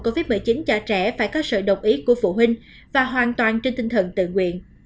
covid một mươi chín cho trẻ phải có sự đồng ý của phụ huynh và hoàn toàn trên tinh thần tự nguyện